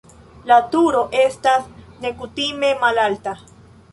La turo estas nekutime malalta.